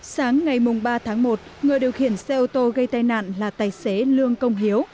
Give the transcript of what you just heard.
sáng ngày ba tháng một người điều khiển xe ô tô gây tai nạn là tài xế lương công hiếu